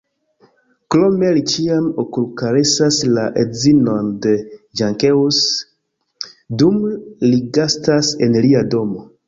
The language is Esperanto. Krome, li ĉiam okulkaresas la edzinon de Jankeus dum li gastas en lia domo.